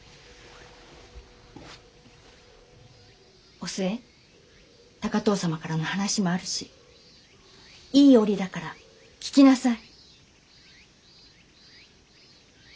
お寿恵高藤様からの話もあるしいい折だから聞きなさい。